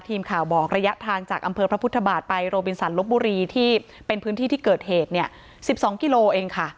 ทีมข่าวบอกระยะทางจากอำเภอพระพุทธบาทไปโรบินสันลบบุรีที่เป็นพื้นที่ที่เกิดเหตุเนี่ย๑๒กิโลเองค่ะ